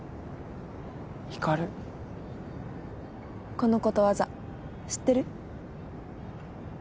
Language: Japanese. このことわざ知ってる？